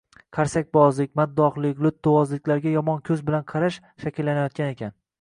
qarsakbozlik, maddohlik, lo‘ttivozliklarga yomon ko‘z bilan qarash shakllanayotgan ekan